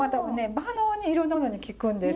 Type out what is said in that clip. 万能にいろんなものにきくんです。